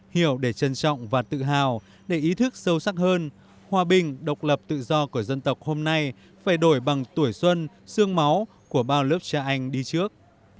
hiểu để trân trọng và tự hào để ý thức sâu sắc hơn hòa bình độc lập tự do của dân tộc hôm nay phải đổi bằng tuổi xuân xương máu của bao lớp cha anh đi trước